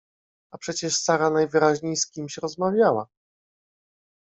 A przecież Sara najwyraźniej z kimś rozmawiała!